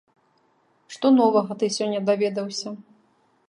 Што новага ты сёння даведаўся?